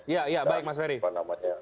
ya ya baik mas ferry